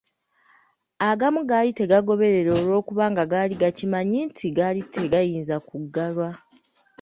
Agamu gaali tegagoberera olw’okubanga gaali gakimanyi nti gaali tegayinza kuggalwa.